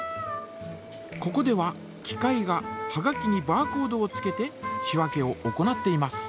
ここでは機械がはがきにバーコードをつけて仕分けを行っています。